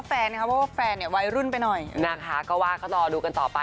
จริงหนูก็ค่อนข้างที่จะเป็นคนดูอนาคตอยู่ตลอดนะคะ